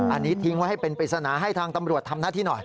อันนี้ทิ้งไว้ให้เป็นปริศนาให้ทางตำรวจทำหน้าที่หน่อย